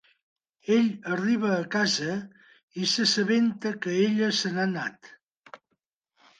Ell arriba a casa i s'assabenta que ella se n'ha anat.